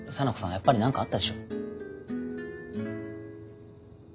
やっぱり何かあったでしょ？